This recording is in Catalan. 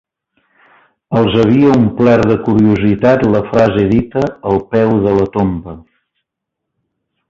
Els havia omplert de curiositat la frase dita, al peu de la tomba